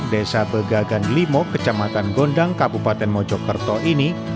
desa begagan limok kecamatan gondang kabupaten mojokerto ini